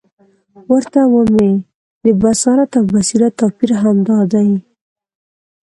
ورته ومي د بصارت او بصیرت توپیر همد دادی،